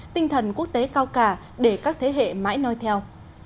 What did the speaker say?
tinh thần quốc tế cao cả để các thế hệ mãi nói theo